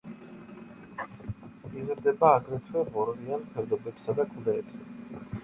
იზრდება აგრეთვე ღორღიან ფერდობებსა და კლდეებზე.